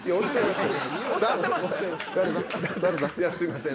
すいません